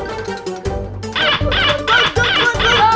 kamu bisa dengarku ya allah